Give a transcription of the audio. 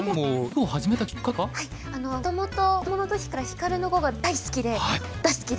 もともと子どもの時から「ヒカルの碁」が大好きで大好きで！